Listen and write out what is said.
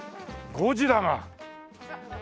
ゴジラが！